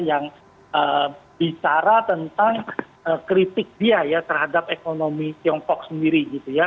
yang bicara tentang kritik dia ya terhadap ekonomi tiongkok sendiri gitu ya